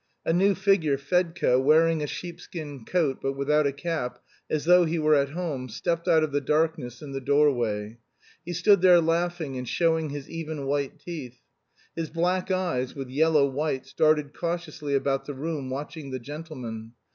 A new figure, Fedka, wearing a sheep skin coat, but without a cap, as though he were at home, stepped out of the darkness in the doorway. He stood there laughing and showing his even white teeth. His black eyes, with yellow whites, darted cautiously about the room watching the gentlemen.